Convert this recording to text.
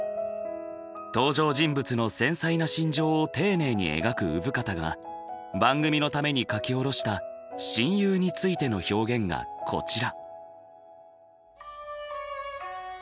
登場人物の繊細な心情を丁寧に描く生方が番組のために書き下ろした親友についての表現がこちら。